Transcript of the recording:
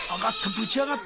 ぶち上がった。